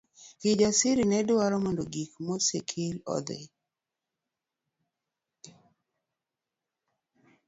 Kijasir nedwaro mondo gik mosekalo odhi.